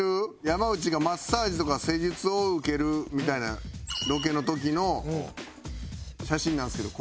山内がマッサージとか施術を受けるみたいなロケの時の写真なんですけど。